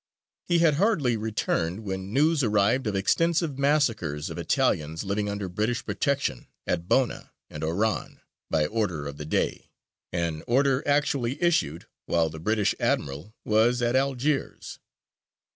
He had hardly returned when news arrived of extensive massacres of Italians living under British protection at Bona and Oran by order of the Dey an order actually issued while the British admiral was at Algiers.